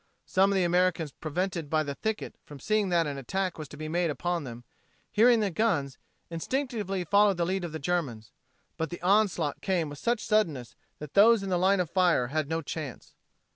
Some of the Americans prevented by the thicket from seeing that an attack was to be made upon them, hearing the guns, instinctively followed the lead of the Germans. But the onslaught came with such suddenness that those in the line of fire had no chance.